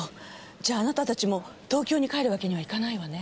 じゃああなたたちも東京に帰るわけにはいかないわね。